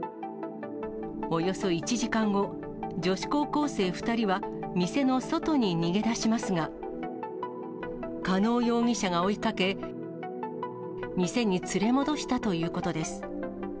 およそ１時間後、女子高校生２人は、店の外に逃げ出しますが、加納容疑者が追いかけ、店に連れ戻したということです。